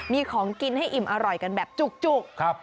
มีของกินให้อิ่มอร่อยกันแบบจุก